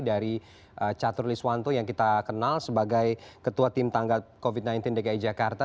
dari catur liswanto yang kita kenal sebagai ketua tim tangga covid sembilan belas dki jakarta